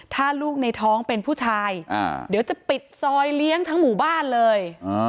ถ้าลูกในท้องเป็นผู้ชายเดี๋ยวจะปิดซอยเลี้ยงทั้งหมู่บ้านเลย